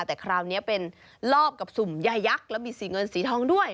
แต่คราวนี้เป็นรอบกับสุ่มยายักษ์แล้วมีสีเงินสีทองด้วย